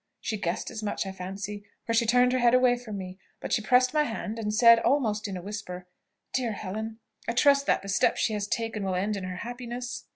She guessed as much, I fancy, for she turned her head away from me; but she pressed my hand, and said, almost in a whisper, 'Dear Helen! I trust that the step she has taken will end in her happiness.'